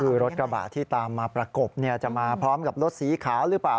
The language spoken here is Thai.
คือรถกระบะที่ตามมาประกบจะมาพร้อมกับรถสีขาวหรือเปล่า